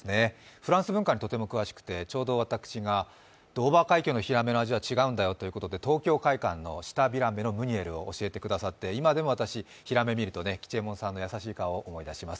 フランス文化にとても詳しくて、ドーバー海峡のひらめの味は違うんだよと東京会館の舌びらめのムニエルを教えてくださって、教えてくださって、今でもひらめを見ると吉右衛門さんの優しい顔を思い出します。